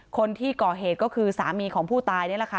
คนที่ก่อเหตุก็คือสามีของผู้ตายนี่แหละค่ะ